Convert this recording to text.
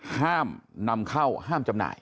ห้ามนำเข้าห้ามจำหน่าย